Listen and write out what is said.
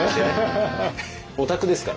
オタクですからね。